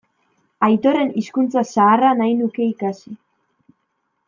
Aitorren hizkuntza zaharra nahi nuke ikasi.